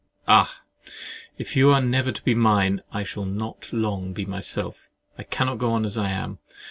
Ah! if you are never to be mine, I shall not long be myself. I cannot go on as I am.